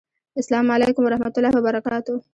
اسلام اعلیکم ورحمت الله وبرکاته